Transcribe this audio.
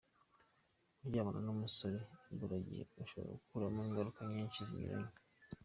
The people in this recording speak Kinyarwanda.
Kuryamana n’umusore imburagihe ushobora gukuramo ingaruka nyinshi zinyuranye.